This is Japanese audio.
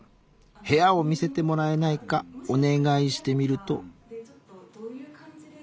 部屋を見せてもらえないかお願いしてみると。